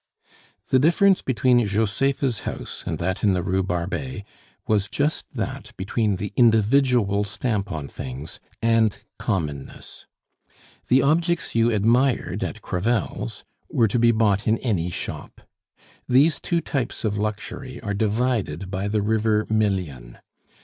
The difference between Josepha's house and that in the Rue Barbet was just that between the individual stamp on things and commonness. The objects you admired at Crevel's were to be bought in any shop. These two types of luxury are divided by the river Million.